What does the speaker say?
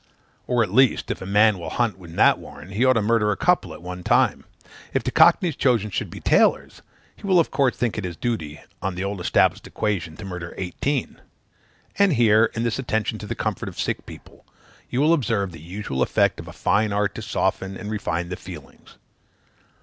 Or at least, if a man will hunt in that warren, he ought to murder a couple at one time; if the cockneys chosen should be tailors, he will of course think it his duty, on the old established equation, to murder eighteen. And, here, in this attention to the comfort of sick people, you will observe the usual effect of a fine art to soften and refine the feelings.